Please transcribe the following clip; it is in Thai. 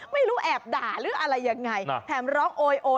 ไม่รู้แอบด่าหรืออะไรยังไงแถมร้องโอย